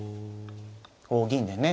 お銀でね。